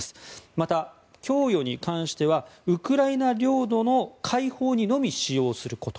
また、供与に関してはウクライナ領土の解放にのみ使用すること。